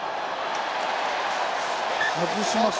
外しました。